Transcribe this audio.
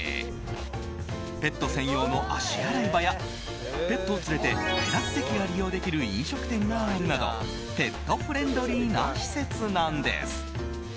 ペット専用の足洗い場やペットを連れてテラス席が利用できる飲食店があるなどペットフレンドリーな施設なんです。